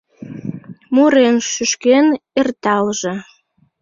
Мурен-шӱшкен эрталже.